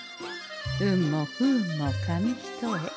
運も不運も紙一重。